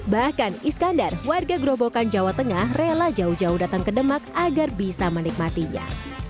bahkan iskandar warga gerobokan jawa tengah rela jauh jauh datang ke demak agar bisa menikmatinya